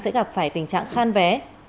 sẽ gặp phải tình trạng khan vé